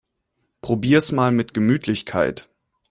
Probier's mal mit Gemütlichkeit!